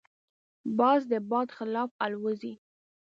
باز د باد خلاف الوزي